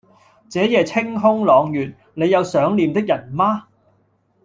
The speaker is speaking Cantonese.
這夜清空朗月，你有想念的人嗎